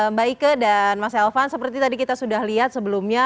mbak ike dan mas elvan seperti tadi kita sudah lihat sebelumnya